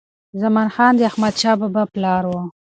زمان خان د احمدشاه بابا پلار و.